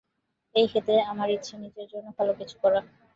এই ক্ষেত্রে, আমার ইচ্ছা, নিজের জন্য ভালো কিছু করা।